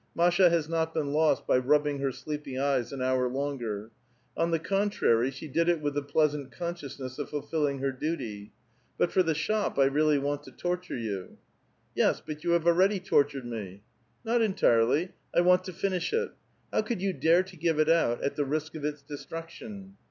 Masba has not been lost by rubbing her sleepy eyes an hour longer ; on the contrary, she did it with the pleasant con sciousness of fulfilling her dut}' ; l^ut for the shop, I really want to torture vou." ^" Yes, but you have already tortured me." " Not entirely ; I want to finish it. How could you dare to give it out at the risk of its destruction